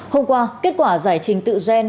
hôm qua kết quả giải trình tự gen